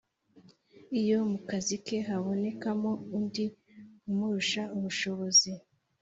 iyo mu kazi ke habonekamo undi umurusha ubushobozi,